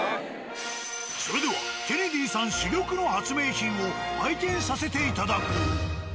それではケネディーさん珠玉の発明品を体験させていただこう。